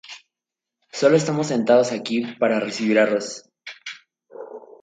Solo estamos sentados aquí para recibir arroz.